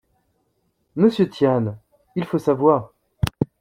Monsieur Tian, il faut savoir